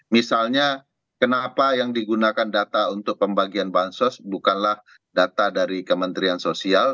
misalnya kenapa yang digunakan data untuk pembagian bansos bukanlah data dari kementerian sosial